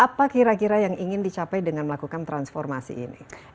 apa kira kira yang ingin dicapai dengan melakukan transformasi ini